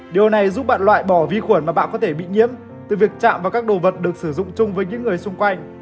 điều này giúp bạn loại bỏ vi khuẩn mà bạn có thể bị nhiễm từ việc chạm vào các đồ vật được sử dụng chung với những người xung quanh